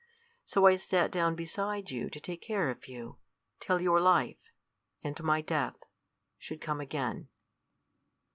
So I sat down beside you to take care of you, till your life and my death should come again."